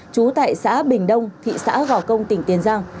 trú tại xã bình đông thị xã gò công tỉnh tiền giang